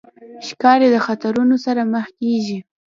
ښکاري د خطرونو سره مخ کېږي.